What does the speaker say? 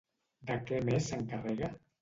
De què més s'encarrega?